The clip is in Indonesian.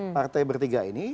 partai bertiga ini